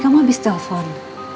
kamu hilang telefon